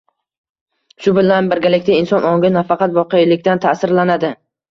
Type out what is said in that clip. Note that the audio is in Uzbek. Shu bilan birgalikda, inson ongi nafaqat voqelikdan ta’sirlanadi